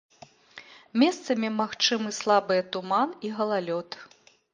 Месцамі магчымы слабыя туман і галалёд.